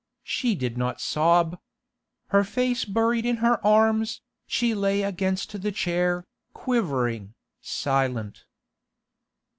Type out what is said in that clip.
She did not sob; her face buried in her arms, she lay against the chair, quivering, silent.